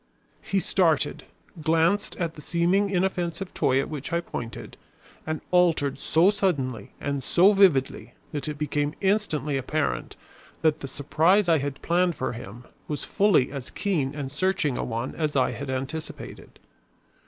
He started, glanced at the seeming inoffensive toy at which I pointed, and altered so suddenly and so vividly that it became instantly apparent that the surprise I had planned for him was fully as keen and searching a one as I had anticipated.